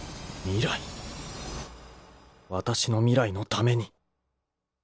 私の未来のために